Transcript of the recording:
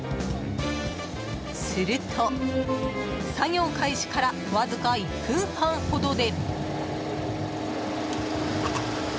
すると、作業開始からわずか１分半ほどで。